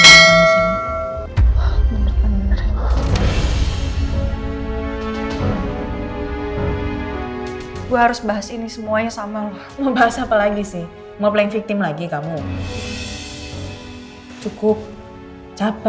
goh gue harus huis ini semuanya sama lu mau bahas apa lagi sih ngeplayin victim lagi kamu cukup capek mbak